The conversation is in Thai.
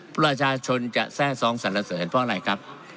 ประชาชนจะแทร่ซ้องสรรเสริญเพราะอะไรครับ